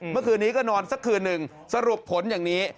เมื่อคืนนี้ก็นอนสักคืนหนึ่งสรุปผลอย่างนี้